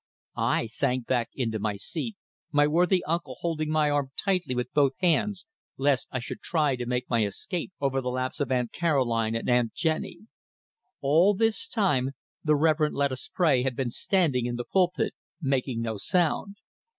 I sank back into my seat, my worthy uncle holding my arm tightly with both hands, lest I should try to make my escape over the laps of Aunt Caroline and Aunt Jennie. All this time the Reverend Lettuce Spray had been standing in the pulpit, making no sound.